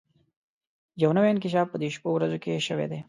يو نوی انکشاف په دې شپو ورځو کې شوی دی.